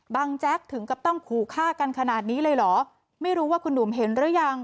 แจ๊กถึงกับต้องขู่ฆ่ากันขนาดนี้เลยเหรอไม่รู้ว่าคุณหนุ่มเห็นหรือยัง